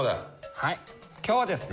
はい今日はですね